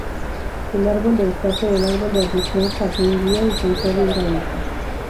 Del árbol de escape al árbol de admisión, patín guía y tensor hidráulico.